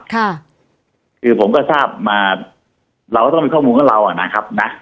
ค่ะคือผมก็ทราบมาเราก็ต้องมีข้อมูลกับเราอ่ะนะครับนะ